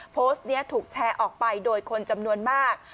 โพสต์นี้ถูกแชร์ออกไปโดยคนจำนวนมาก